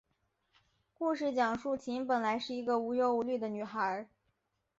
故事讲述琴本来是一个无忧无虑的女孩。